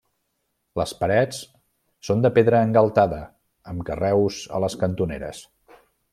Les parets són de pedra engaltada, amb carreus a les cantoneres.